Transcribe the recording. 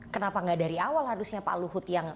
kenapa nggak dari awal harusnya pak luhut yang